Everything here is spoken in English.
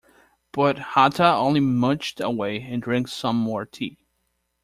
But Hatta only munched away, and drank some more tea.